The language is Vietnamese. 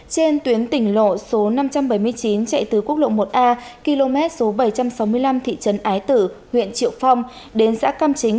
trên tuyến tỉnh lộ số năm trăm bảy mươi chín chạy từ quốc lộ một a km số bảy trăm sáu mươi năm thị trấn ái tử huyện triệu phong đến xã cam chính